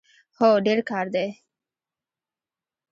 هو، ډیر کار دی